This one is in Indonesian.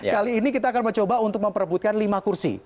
kali ini kita akan mencoba untuk memperebutkan lima kursi